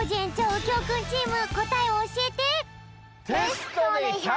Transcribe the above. うきょうくんチームこたえをおしえて！